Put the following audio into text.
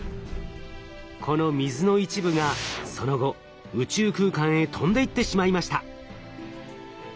この水の一部がその後宇宙空間へ飛んでいってしまいました。